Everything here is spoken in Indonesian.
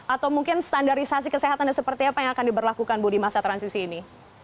atau mungkin standarisasi kesehatannya seperti apa yang akan diberlakukan bu di masa transisi ini